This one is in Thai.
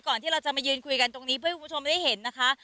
ที่เราจะมายืนคุยกันตรงนี้เพื่อให้คุณผู้ชมได้เห็นนะคะ